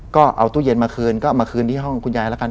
ก็เอาตู้เย็นมาคืนก็เอามาคืนที่ห้องคุณยายแล้วกัน